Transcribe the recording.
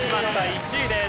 １位です。